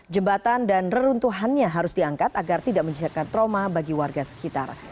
jembatan dan reruntuhannya harus diangkat agar tidak menciptakan trauma bagi warga sekitar